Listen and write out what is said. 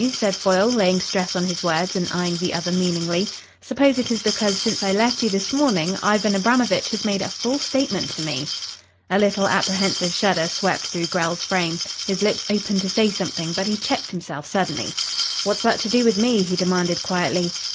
said Foyle, laying stress on his words and eyeing the other meaningly. "Suppose it is because since I left you this morning, Ivan Abramovitch has made a full statement to me?" A little apprehensive shudder swept through Grell's frame. His lips opened to say something, but he checked himself suddenly. "What's that to do with me?" he demanded quietly.